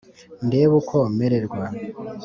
ndebe uko mererwa